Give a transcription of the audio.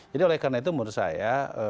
jadi oleh karena itu menurut saya